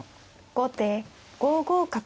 後手５五角。